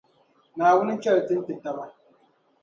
Naawuni chɛli ti n-ti taba.